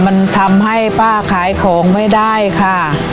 มันทำให้ป้าขายของไม่ได้ค่ะ